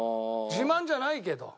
自慢じゃないけど。